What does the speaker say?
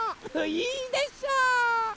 いいでしょ！